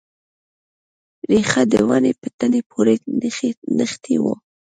ریښه د ونې په تنې پورې نښتې وه.